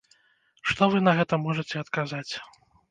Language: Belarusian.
Што вы на гэта можаце адказаць?